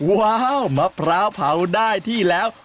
ว้าวมะพร้าวเผาได้ที่แล้ว